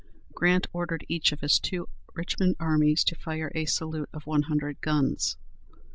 Grant ordered each of his two Richmond armies to fire a salute of one hundred guns.